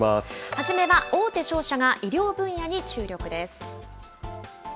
はじめは大手商社が医療分野に注力です。